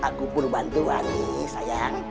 aku perlu bantu lagi sayang